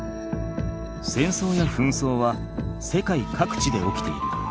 戦争や紛争は世界各地で起きている。